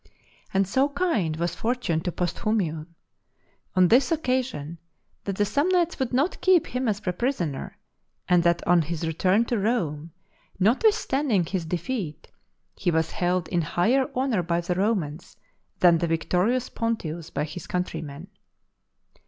And so kind was Fortune to Posthumius on this occasion, that the Samnites would not keep him as a prisoner, and that on his return to Rome, notwithstanding his defeat, he was held in higher honour by the Romans than the victorious Pontius by his countrymen.